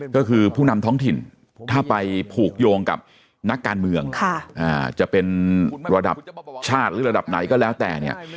ก็คือผู้นำท้องถิ่นถ้าไปผูกโยงกับนักการเมืองจะเป็นระดับชาติหรือระดับไหนก็แล้วแต่เนี่ย